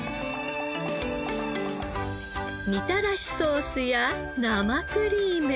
みたらしソースや生クリーム。